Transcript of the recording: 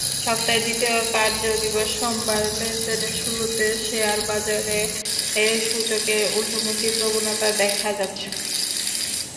সপ্তাহের দ্বিতীয় কার্যদিবস সোমবার লেনদেনের শুরুতে শেয়ারবাজারে সূচকের ঊর্ধ্বমুখী প্রবণতা দেখা যাচ্ছে।